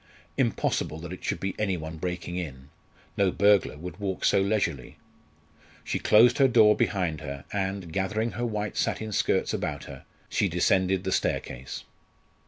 Impossible that it should be any one breaking in. No burglar would walk so leisurely. She closed her door behind her, and, gathering her white satin skirts about her, she descended the staircase.